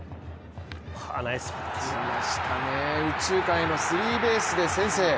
打ちましたね、右中間へのスリーベースで先制。